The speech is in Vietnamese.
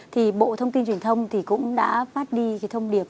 thì bộ thông tin truyền thông thì cũng đã phát đi cái thông điệp